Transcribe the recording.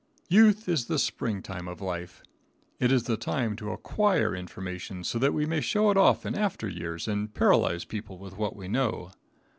Youth is the spring time of life. It is the time to acquire information, so that we may show it off in after years and paralyze people with what we know.